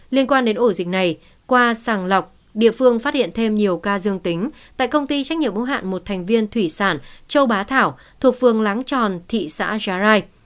liên quan đến ổ dịch này qua sàng lọc địa phương phát hiện thêm nhiều ca dương tính tại công ty trách nhiệm bố hạn một thành viên thủy sản châu bá thảo thuộc phương láng tròn thị xã giá rai